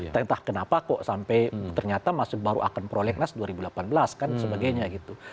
entah kenapa kok sampai ternyata baru akan prolegnas dua ribu delapan belas kan sebagainya gitu